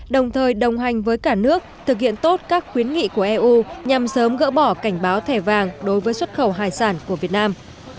đồng thời đồng hành với cả nước thực hiện tốt các khuyến nghị của eu nhằm sớm gỡ bỏ cảnh báo thẻ vàng đối với xuất khẩu hải sản của việt nam